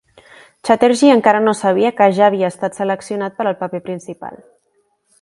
Chatterjee encara no sabia que ja havia estat seleccionat per al paper principal.